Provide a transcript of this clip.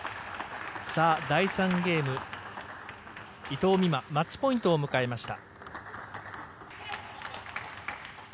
第３ゲーム、伊藤美誠、マッチポイントを迎えました。